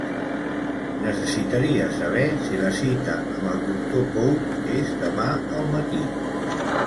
Necessitaria saber si la cita amb el doctor Pous és demà al matí.